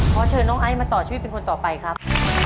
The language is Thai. ขอเชิญน้องไอซ์มาต่อชีวิตเป็นคนต่อไปครับ